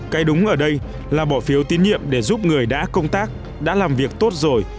cái đúng ở đây là bỏ phiếu tín nhiệm để giúp người đã công tác đã làm việc tốt rồi